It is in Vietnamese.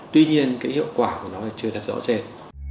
tuy nhiên cái hiệu quả của nó chưa thật rõ rệt